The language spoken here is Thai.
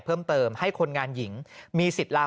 กรุงเทพฯมหานครทำไปแล้วนะครับ